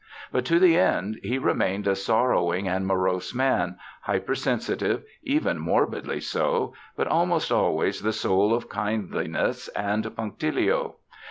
But to the end he remained a sorrowing and morose man, hypersensitive, even morbidly so, but almost always the soul of kindliness and punctilio.